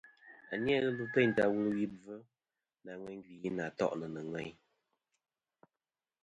A ni-a ghɨ ɨlvɨ teyn ta wulwi bvɨ nà ŋweyn gvi nà to'nɨ nɨ̀ ŋweyn.